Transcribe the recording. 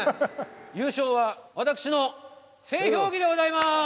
優勝は私の製氷器でございます！